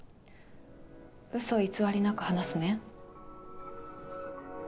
うそ偽りなく話すね。